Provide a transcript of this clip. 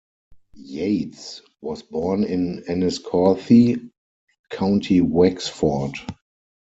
Yates was born in Enniscorthy, County Wexford.